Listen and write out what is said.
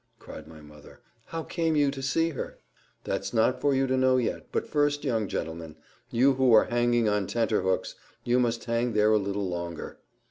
cried my mother. "How came you to see her?" "That's not for you to know yet; but first, young gentleman, you who are hanging on tenter hooks, you must hang there a little longer."